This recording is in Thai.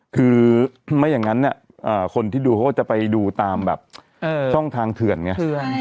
คือไม่อย่างนั้นเนี่ยคนที่ดูเขาก็จะไปดูตามแบบช่องทางเถื่อนไง